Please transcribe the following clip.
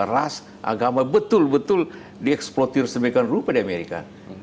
ras agama betul betul dieksplodir sebagai rupa di amerika